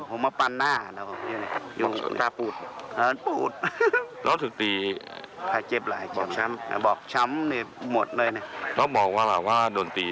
พอมาปันหน้า